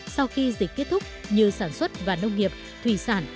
sau khi dịch kết thúc như sản xuất và nông nghiệp thủy sản